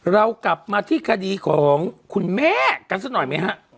เรากลับมาที่คดีของคุณแม่กันสักหน่อยไหมฮะ